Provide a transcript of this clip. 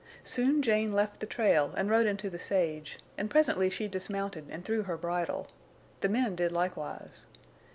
Soon Jane left the trail and rode into the sage, and presently she dismounted and threw her bridle. The men did likewise.